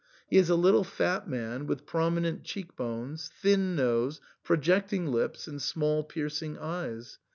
He is a little fat man, with prominent cheek bones, thin nose, projecting lips, and small piercing eyes.